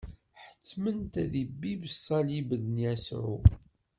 Ḥettmen-t ad ibibb ṣṣalib n Yasuɛ.